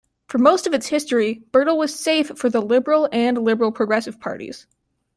For most of its history, Birtle was safe for the Liberal and Liberal-Progressive parties.